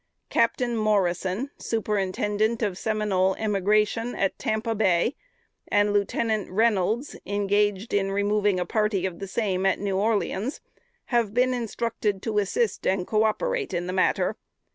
Captain Morrison, Superintendent of Seminole Emigration at Tampa Bay, and Lieutenant Reynolds, engaged in removing a party of the same, at New Orleans, have been instructed to assist and coöperate in the matter.